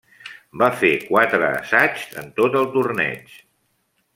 Va fer quatre assaigs en tot el torneig.